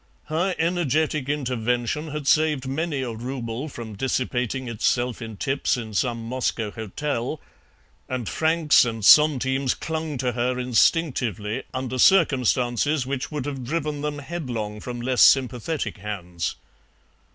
Her energetic intervention had saved many a rouble from dissipating itself in tips in some Moscow hotel, and francs and centimes clung to her instinctively under circumstances which would have driven them headlong from less sympathetic hands.